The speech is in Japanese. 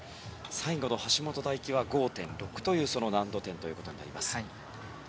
最後の橋本大輝は５．６という難度点になります。